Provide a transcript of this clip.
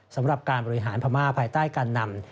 สำหรับการบริหารพม่าภายใต้การนำ